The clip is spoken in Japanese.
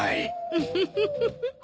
ウフフフ。